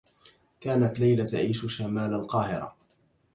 كانت ليلى تعيش شمال القاهرة.